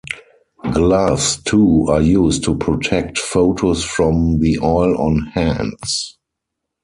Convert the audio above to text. Gloves, too, are used to protect photos from the oil on hands.